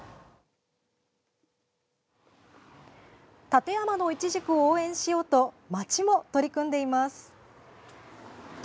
館山のいちじくを応援しようと町も取り組んでいます。